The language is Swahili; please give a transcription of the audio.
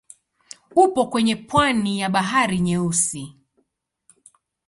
Upo kwenye pwani ya Bahari Nyeusi.